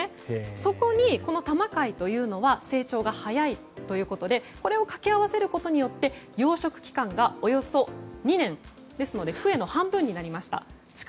そこに、このタマカイというのは成長が早いということでこれを掛け合わせることによって養殖期間がおよそ２年ですのでクエの半分になりました。